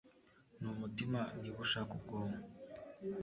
Numutima niba ushaka ubwonko